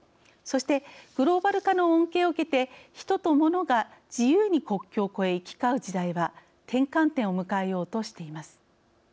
そしてグローバル化の恩恵を受けてヒトとモノが自由に国境を越え行き交う時代は転換点を迎えようとしています。